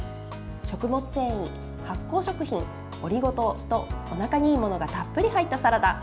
食物繊維、発酵食品、オリゴ糖とおなかにいいものがたっぷり入ったサラダ。